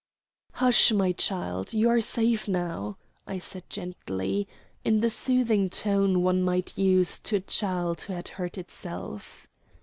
"Hush, my child. You are safe now," I said gently, in the soothing tone one might use to a child who had hurt itself.